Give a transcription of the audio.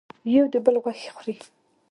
یو د بل غوښې خوري.